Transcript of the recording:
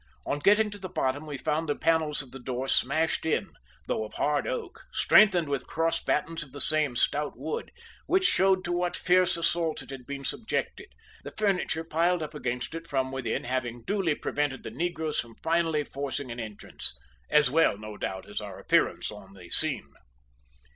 On getting to the bottom we found the panels of the door smashed in, though of hard oak, strengthened with cross battens of the same stout wood, which showed to what fierce assault it had been subjected, the furniture piled up against it from within having duly prevented the negroes from finally forcing an entrance, as well, no doubt, as our appearance on the scene.